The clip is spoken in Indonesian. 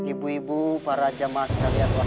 ibu ibu para jamaah sekalian rahimahkumullah